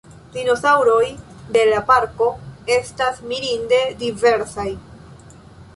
La dinosaŭroj de la parko estas mirinde diversaj.